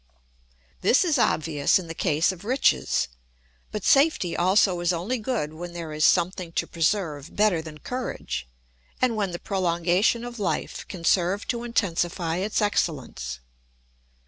This is obvious in the case of riches. But safety also is only good when there is something to preserve better than courage, and when the prolongation of life can serve to intensify its excellence.